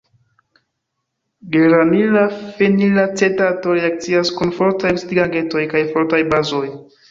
Geranila fenilacetato reakcias kun fortaj oksidigagentoj kaj fortaj bazoj.